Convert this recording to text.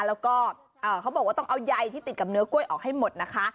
แล้วก็เขาบอกว่าต้องเอาใยที่ติดกับเนื้อกล้วยออกให้หมดนะคะ